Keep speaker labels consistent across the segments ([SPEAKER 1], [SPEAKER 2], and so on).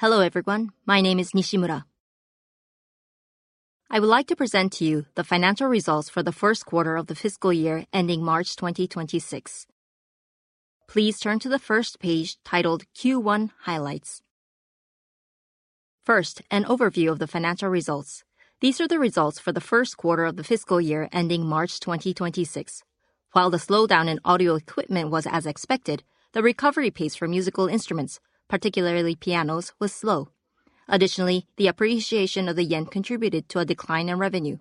[SPEAKER 1] Hello everyone, my name is Jun Nishimura. I would like to present to you the financial results for the first quarter of the fiscal year ending March 2026. Please turn to the first page titled "Q1 Highlights." First, an overview of the financial results. These are the results for the first quarter of the fiscal year ending March 2026. While the slowdown in audio equipment was as expected, the recovery pace for musical instruments, particularly pianos, was slow. Additionally, the appreciation of the yen contributed to a decline in revenue.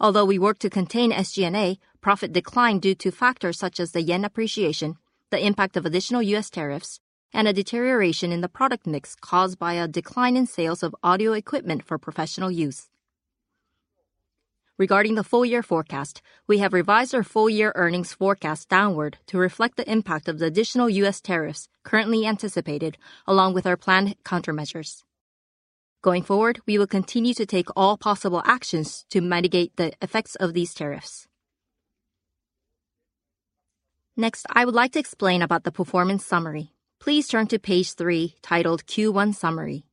[SPEAKER 1] Although we worked to contain SG&A expenses, profit declined due to factors such as the yen appreciation, the impact of additional U.S. tariffs, and a deterioration in the model mix caused by a decline in sales of B2B audio equipment for professional use. Regarding the full-year forecast, we have revised our full-year earnings forecast downward to reflect the impact of the additional U.S. tariffs currently anticipated, along with our planned countermeasures. Going forward, we will continue to take all possible actions to mitigate the effects of these tariffs. Next, I would like to explain about the performance summary. Please turn to page three titled "Q1 Summary."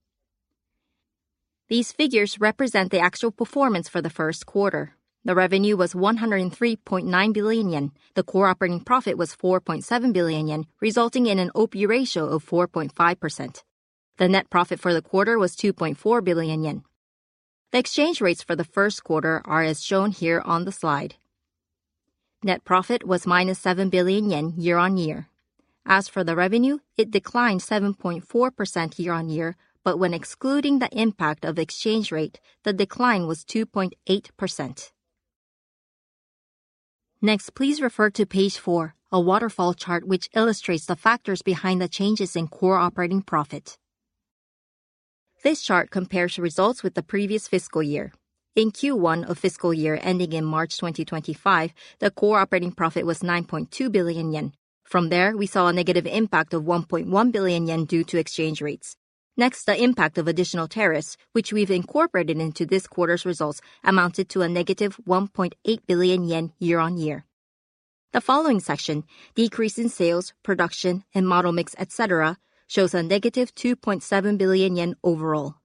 [SPEAKER 1] These figures represent the actual performance for the first quarter. The revenue was 103.9 billion yen, the core operating profit was 4.7 billion yen, resulting in an OP ratio of 4.5%. The net profit for the quarter was 2.4 billion yen. The exchange rates for the first quarter are as shown here on the slide. Net profit was minus 7 billion yen year-on-year. As for the revenue, it declined 7.4% year-on-year, but when excluding the impact of the exchange rate, the decline was 2.8%. Next, please refer to page four, a waterfall chart which illustrates the factors behind the changes in core operating profit. This chart compares results with the previous fiscal year. In Q1 of the fiscal year ending in March 2025, the core operating profit was 9.2 billion yen. From there, we saw a negative impact of 1.1 billion yen due to exchange rates. Next, the impact of additional tariffs, which we've incorporated into this quarter's results, amounted to a -1.8 billion yen year-on-year. The following section, decrease in sales, production, and model mix, etc., shows -2.7 billion yen overall.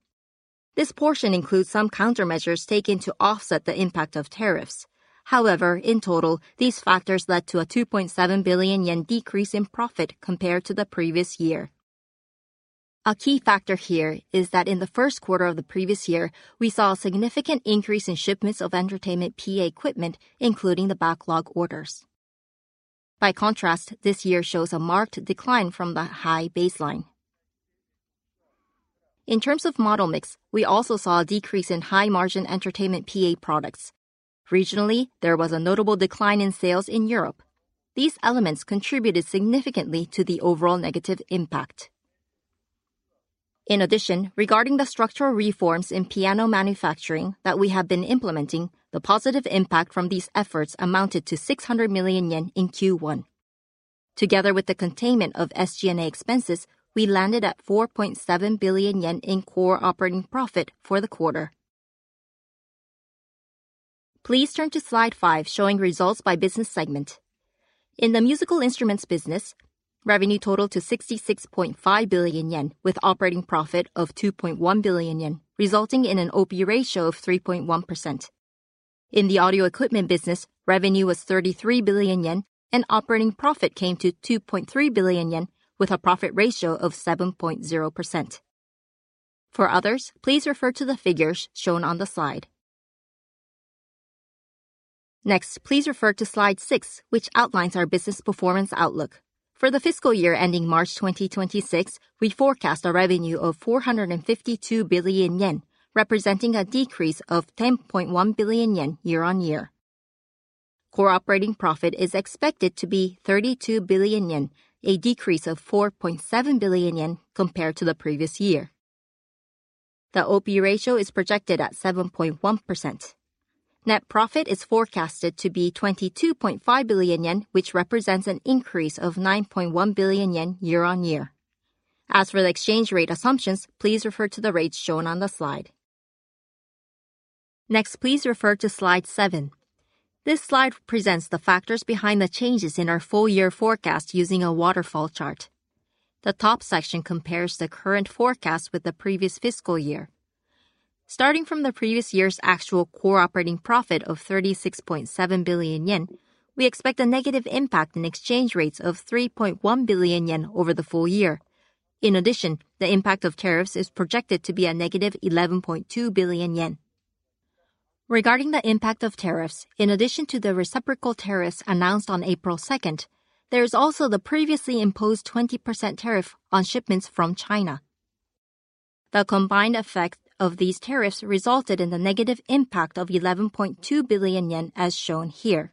[SPEAKER 1] This portion includes some countermeasures taken to offset the impact of tariffs. However, in total, these factors led to a 2.7 billion yen decrease in profit compared to the previous year. A key factor here is that in the first quarter of the previous year, we saw a significant increase in shipments of entertainment PA equipment, including the backlog orders. By contrast, this year shows a marked decline from the high baseline. In terms of model mix, we also saw a decrease in high-margin entertainment PA products. Regionally, there was a notable decline in sales in Europe. These elements contributed significantly to the overall negative impact. In addition, regarding the structural reforms in piano manufacturing that we have been implementing, the positive impact from these efforts amounted to 600 million yen in Q1. Together with the containment of SG&A expenses, we landed at 4.7 billion yen in core operating profit for the quarter. Please turn to slide five showing results by business segment. In the musical instruments business, revenue totaled 66.5 billion yen with operating profit of 2.1 billion yen, resulting in an OP ratio of 3.1%. In the audio equipment business, revenue was 33 billion yen, and operating profit came to 2.3 billion yen with a profit ratio of 7.0%. For others, please refer to the figures shown on the slide. Next, please refer to slide 6, which outlines our business performance outlook. For the fiscal year ending March 2026, we forecast revenue of 452 billion yen, representing a decrease of 10.1 billion yen year-on-year. Core operating profit is expected to be 32 billion yen, a decrease of 4.7 billion yen compared to the previous year. The OP ratio is projected at 7.1%. Net profit is forecasted to be 22.5 billion yen, which represents an increase of 9.1 billion yen year-on-year. As for the exchange rate assumptions, please refer to the rates shown on the slide. Next, please refer to slide seven. This slide presents the factors behind the changes in our full-year forecast using a waterfall chart. The top section compares the current forecast with the previous fiscal year. Starting from the previous year's actual core operating profit of 36.7 billion yen, we expect a negative impact in exchange rates of 3.1 billion yen over the full year. In addition, the impact of tariffs is projected to be a -11.2 billion yen. Regarding the impact of tariffs, in addition to the reciprocal tariffs announced on April 2, there is also the previously imposed 20% tariff on shipments from China. The combined effect of these tariffs resulted in a negative impact of 11.2 billion yen as shown here.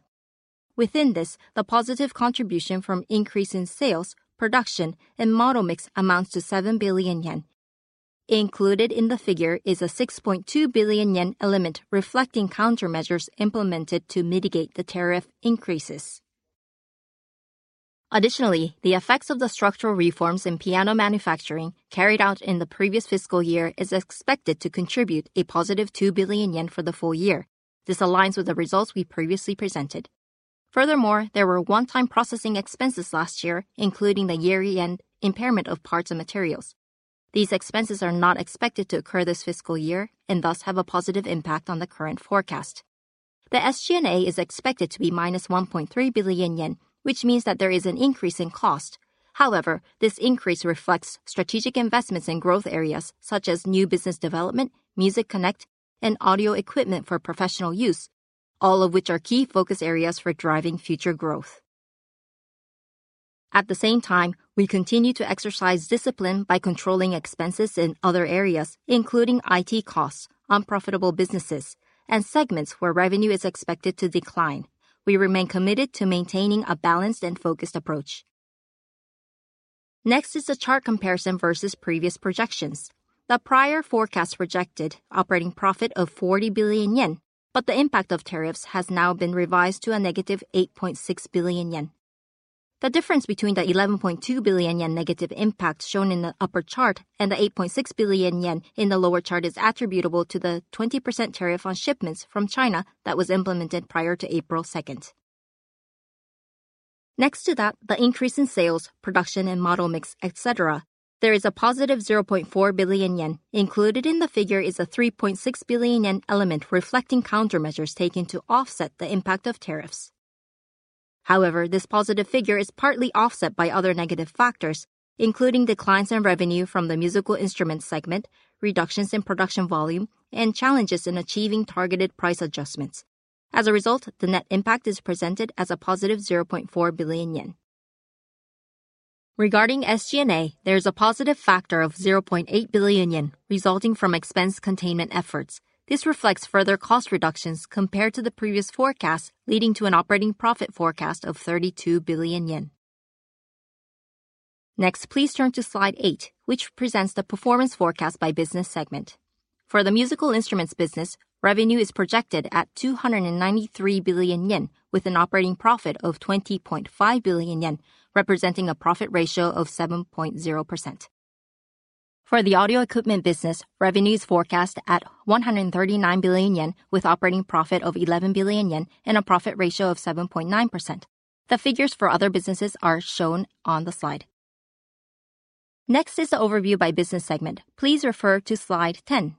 [SPEAKER 1] Within this, the positive contribution from increasing sales, production, and model mix amounts to 7 billion yen. Included in the figure is a 6.2 billion yen element reflecting countermeasures implemented to mitigate the tariff increases. Additionally, the effects of the structural reforms in piano manufacturing carried out in the previous fiscal year are expected to contribute a positive 2 billion yen for the full year. This aligns with the results we previously presented. Furthermore, there were one-time processing expenses last year, including the yearly impairment of parts and materials. These expenses are not expected to occur this fiscal year and thus have a positive impact on the current forecast. The SG&A is expected to be -1.3 billion yen, which means that there is an increase in cost. However, this increase reflects strategic investments in growth areas such as new business development, Music Connect, and audio equipment for professional use, all of which are key focus areas for driving future growth. At the same time, we continue to exercise discipline by controlling expenses in other areas, including IT costs, non-profitable businesses, and segments where revenue is expected to decline. We remain committed to maintaining a balanced and focused approach. Next is a chart comparison versus previous projections. The prior forecast projected an operating profit of 40 billion yen, but the impact of tariffs has now been revised to a 8.6 billion yen. The difference between the 11.2 billion yen negative impact shown in the upper chart and the 8.6 billion yen in the lower chart is attributable to the 20% tariff on shipments from China that was implemented prior to April 2. Next to that, the increase in sales, production, and model mix, etc., there is a positive 0.4 billion yen. Included in the figure is a 3.6 billion yen element reflecting countermeasures taken to offset the impact of tariffs. However, this positive figure is partly offset by other negative factors, including declines in revenue from the musical instruments segment, reductions in production volume, and challenges in achieving targeted price adjustments. As a result, the net impact is presented as a positive 0.4 billion yen. Regarding SG&A, there is a positive factor of 0.8 billion yen resulting from expense containment efforts. This reflects further cost reductions compared to the previous forecast, leading to an operating profit forecast of 32 billion yen. Next, please turn to slide 8, which presents the performance forecast by business segment. For the musical instruments business, revenue is projected at 293 billion yen with an operating profit of 20.5 billion yen, representing a profit ratio of 7.0%. For the audio equipment business, revenue is forecast at 139 billion yen with an operating profit of 11 billion yen and a profit ratio of 7.9%. The figures for other businesses are shown on the slide. Next is an overview by business segment. Please refer to slide 10.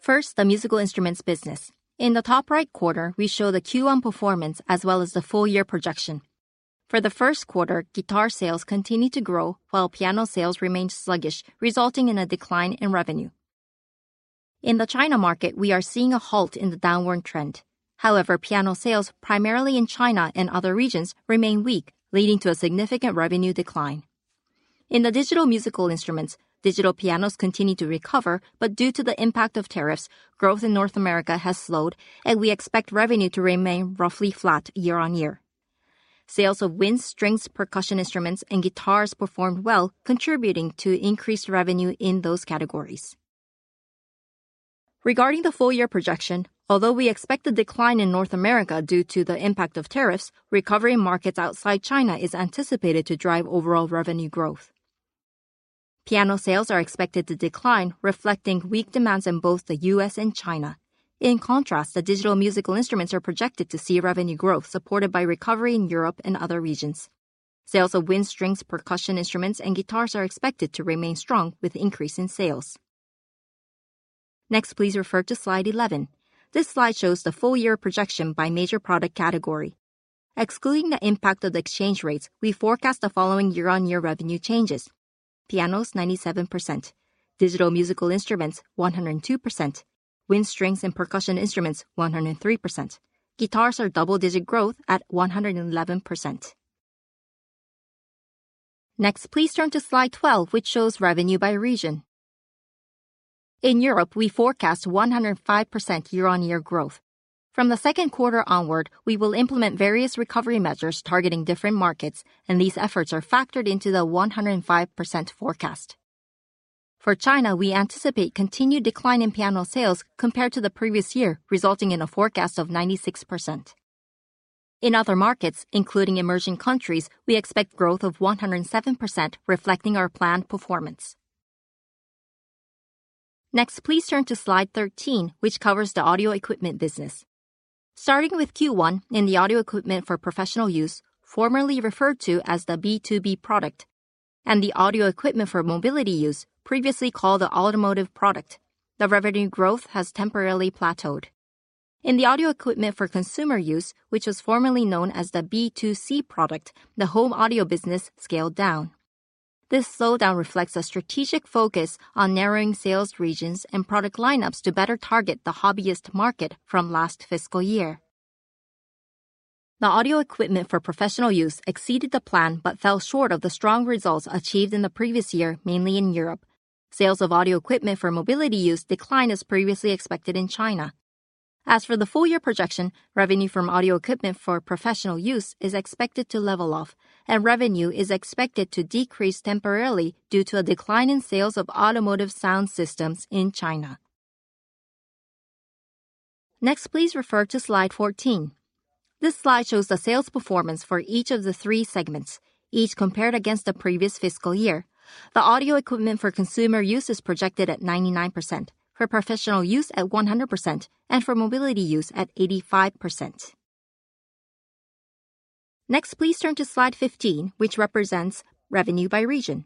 [SPEAKER 1] First, the musical instruments business. In the top right quarter, we show the Q1 performance as well as the full-year projection. For the first quarter, guitar sales continue to grow, while piano sales remain sluggish, resulting in a decline in revenue. In the China market, we are seeing a halt in the downward trend. However, piano sales, primarily in China and other regions, remain weak, leading to a significant revenue decline. In the digital musical instruments, digital pianos continue to recover, but due to the impact of tariffs, growth in North America has slowed, and we expect revenue to remain roughly flat year-on-year. Sales of wind, strings, percussion instruments, and guitars performed well, contributing to increased revenue in those categories. Regarding the full-year projection, although we expect a decline in North America due to the impact of tariffs, recovery in markets outside China is anticipated to drive overall revenue growth. Piano sales are expected to decline, reflecting weak demand in both the U.S. and China. In contrast, the digital musical instruments are projected to see revenue growth supported by recovery in Europe and other regions. Sales of wind, strings, percussion instruments, and guitars are expected to remain strong, with increasing sales. Next, please refer to slide 11. This slide shows the full-year projection by major product category. Excluding the impact of the exchange rates, we forecast the following year-on-year revenue changes: pianos 97%, digital musical instruments 102%, wind, strings and percussion instruments 103%, and guitars are double-digit growth at 111%. Next, please turn to slide 12, which shows revenue by region. In Europe, we forecast 105% year-on-year growth. From the second quarter onward, we will implement various recovery measures targeting different markets, and these efforts are factored into the 105% forecast. For China, we anticipate a continued decline in piano sales compared to the previous year, resulting in a forecast of 96%. In other markets, including emerging countries, we expect growth of 107%, reflecting our planned performance. Next, please turn to slide 13, which covers the audio equipment business. Starting with Q1, in the audio equipment for professional use, formerly referred to as the B2B audio equipment, and the audio equipment for mobility use, previously called the automotive product, the revenue growth has temporarily plateaued. In the audio equipment for consumer use, which was formerly known as the B2C product, the home audio business scaled down. This slowdown reflects a strategic focus on narrowing sales regions and product lineups to better target the hobbyist market from last fiscal year. The audio equipment for professional use exceeded the plan but fell short of the strong results achieved in the previous year, mainly in Europe. Sales of audio equipment for mobility use declined as previously expected in China. As for the full-year projection, revenue from audio equipment for professional use is expected to level off, and revenue is expected to decrease temporarily due to a decline in sales of automotive sound systems in China. Next, please refer to slide 14. This slide shows the sales performance for each of the three segments, each compared against the previous fiscal year. The audio equipment for consumer use is projected at 99%, for professional use at 100%, and for mobility use at 85%. Next, please turn to slide 15, which represents revenue by region.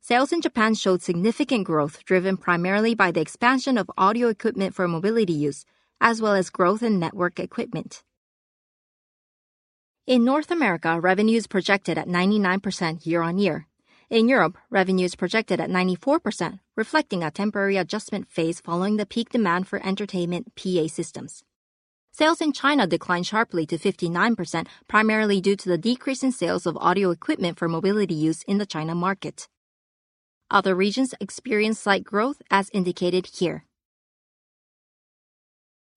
[SPEAKER 1] Sales in Japan showed significant growth, driven primarily by the expansion of audio equipment for mobility use, as well as growth in network equipment. In North America, revenue is projected at 99% year-on-year. In Europe, revenue is projected at 94%, reflecting a temporary adjustment phase following the peak demand for entertainment PA systems. Sales in China declined sharply to 59%, primarily due to the decrease in sales of audio equipment for mobility use in the China market. Other regions experienced slight growth, as indicated here.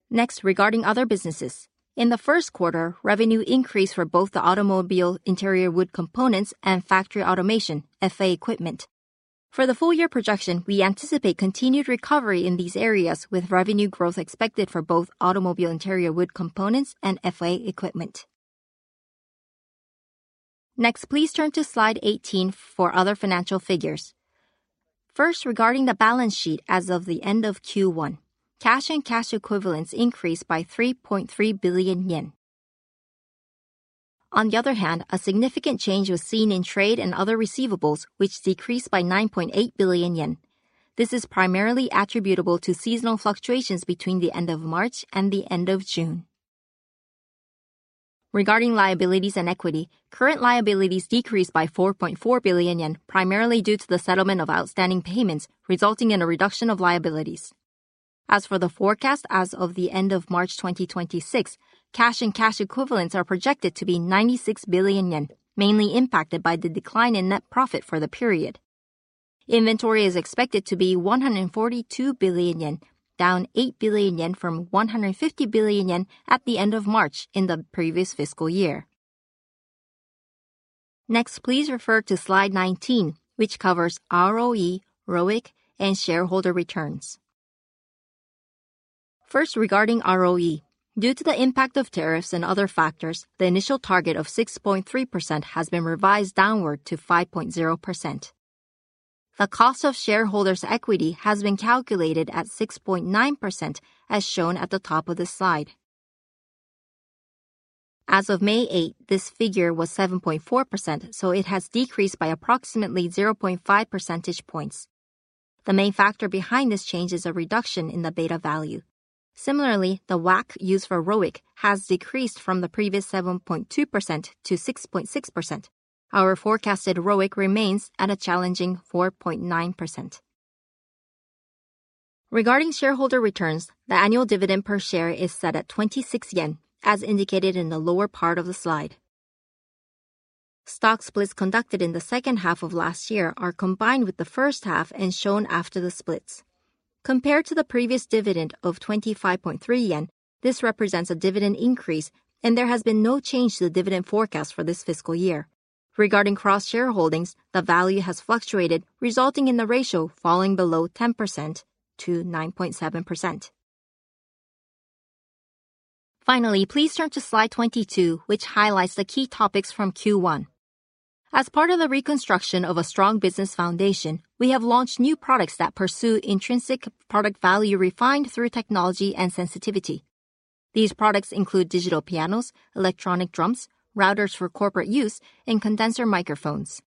[SPEAKER 1] Next, regarding other businesses. In the first quarter, revenue increased for both the automobile interior wood components and factory automation (FA) equipment. For the full-year projection, we anticipate continued recovery in these areas, with revenue growth expected for both automobile interior wood components and FA equipment. Next, please turn to slide 18 for other financial figures. First, regarding the balance sheet as of the end of Q1, cash and cash equivalents increased by 3.3 billion yen. On the other hand, a significant change was seen in trade and other receivables, which decreased by 9.8 billion yen. This is primarily attributable to seasonal fluctuations between the end of March and the end of June. Regarding liabilities and equity, current liabilities decreased by 4.4 billion yen, primarily due to the settlement of outstanding payments, resulting in a reduction of liabilities. As for the forecast as of the end of March 2026, cash and cash equivalents are projected to be 96 billion yen, mainly impacted by the decline in net profit for the period. Inventory is expected to be 142 billion yen, down 8 billion yen from 150 billion yen at the end of March in the previous fiscal year. Next, please refer to slide 19, which covers ROE, ROIC, and shareholder returns. First, regarding ROE, due to the impact of tariffs and other factors, the initial target of 6.3% has been revised downward to 5.0%. The cost of shareholders' equity has been calculated at 6.9%, as shown at the top of this slide. As of May 8, this figure was 7.4%, so it has decreased by approximately 0.5 percentage points. The main factor behind this change is a reduction in the beta value. Similarly, the WACC used for ROIC has decreased from the previous 7.2%-6.6%. Our forecasted ROIC remains at a challenging 4.9%. Regarding shareholder returns, the annual dividend per share is set at 26 yen, as indicated in the lower part of the slide. Stock splits conducted in the second half of last year are combined with the first half and shown after the splits. Compared to the previous dividend of 25.3 yen, this represents a dividend increase, and there has been no change to the dividend forecast for this fiscal year. Regarding cross-shareholdings, the value has fluctuated, resulting in the ratio falling below 10%-9.7%. Finally, please turn to slide 22, which highlights the key topics from Q1. As part of the reconstruction of a strong business foundation, we have launched new products that pursue intrinsic product value refined through technology and sensitivity. These products include digital pianos, electronic drums, routers for corporate use, and condenser microphones.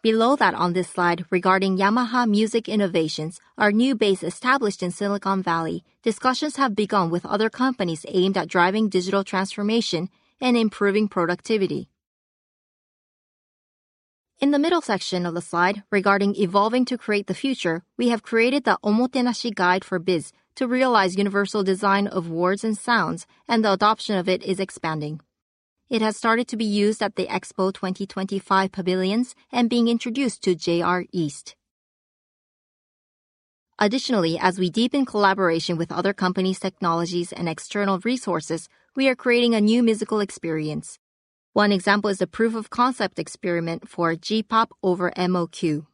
[SPEAKER 1] Below that on this slide, regarding Yamaha Music Innovations, our new base established in Silicon Valley, discussions have begun with other companies aimed at driving digital transformation and improving productivity. In the middle section of the slide, regarding cvolving to create the future, we have created the OMOTENASHI Guide for Biz to realize universal design of words and sounds, and the adoption of it is expanding. It has started to be used at the EXPO 2025 pavilions and is being introduced to JR East. Additionally, as we deepen collaboration with other companies, technologies, and external resources, we are creating a new musical experience. One example is the proof-of-concept experiment for J-Pop over MOQ.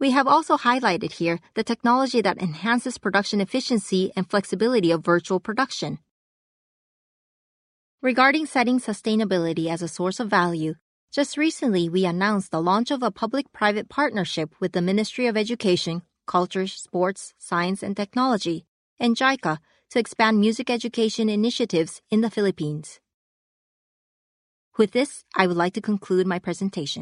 [SPEAKER 1] We have also highlighted here the technology that enhances production efficiency and flexibility of virtual production. Regarding setting sustainability as a source of value, just recently we announced the launch of a public-private partnership with the Ministry of Education, Culture, Sports, Science, and Technology, and JICA to expand music education initiatives in the Philippines. With this, I would like to conclude my presentation.